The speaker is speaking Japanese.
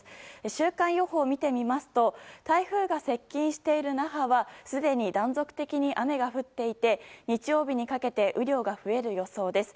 週間予報を見てみますと台風が接近している那覇はすでに断続的に雨が降っていて日曜日にかけて雨量が増える予想です。